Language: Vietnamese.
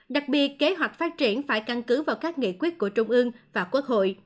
đặc biệt kế hoạch phát triển phải căn cứ vào các nghị quyết của trung ương và quốc hội